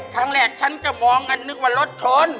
ทางแรกฉันก็มองนึกว่ารถชน